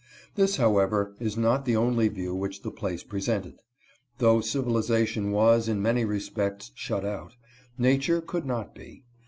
This, however, is not the only view which the place presented. Though civilization was, in many respects, shut out, nature could not be.